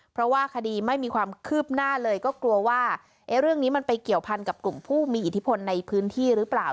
เพราะว่าคดีไม่มีความคืบหน้าเลยก็กลัวว่าเรื่องนี้มันไปเกี่ยวพันกับกลุ่มผู้มีอิทธิพลในพื้นที่หรือเปล่า